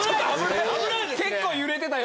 結構揺れてた。